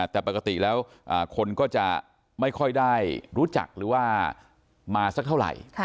แต่ปกติแล้วคนก็จะไม่ค่อยได้รู้จักหรือว่ามาสักเท่าไหร่